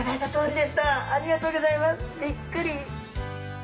びっくり。